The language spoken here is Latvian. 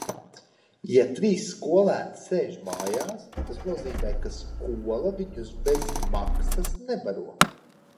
Ja trīs skolēni sēž mājās, tas nozīmē, ka skola viņus bez maksas nebaro...